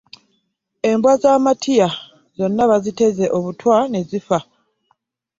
Embwa za Matiya zonna baziteze obutwa ne zifa.